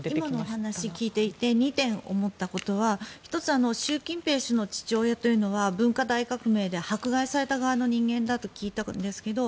今のお話を聞いていて２点思ったことは１つは習近平氏の父親というのは文化大革命で迫害された側の人間だと聞いたんですけれど